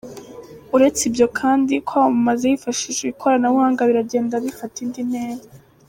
Uretse ibyo kandi, kwamamaza hifashishije ikoranabuhanga biragenda bifata indi ntera.